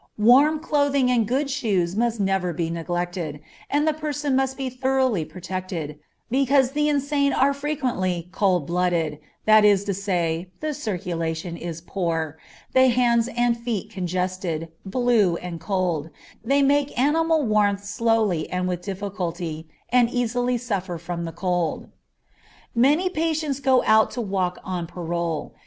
Warm clothing and good shoes must never be neglected, and the person must be thoroughly protected, because the insane are frequently "cold blooded," that is, the circulation is poor, the hands and feet congested, blue, and cold, they make animal warmth slowly and with difficulty, and easily suffer from the cold. Many patients go out to walk on parole.